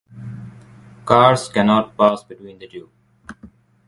Cars cannot pass between the two.